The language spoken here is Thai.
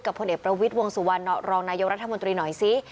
พลเอกประวิทย์วงสุวรรณรองนายกรัฐมนตรีหน่อยซิ